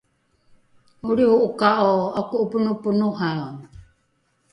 olriho’oka’o ’ako’oponoponohae?